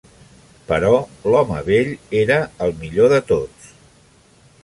Però l'home vell era el millor de tots.